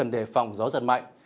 đề phòng gió giật mạnh